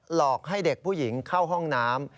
หลอกให้เด็กผู้หญิงเข้าห้องน้ำ